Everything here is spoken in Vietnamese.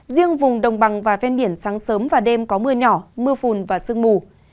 riêng vùng đồng bằng và ven biển sáng sớm và đêm có mưa nhỏ mưa phùn và sương mù